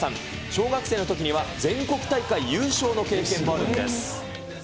小学生のときには、全国大会優勝の経験もあるんです。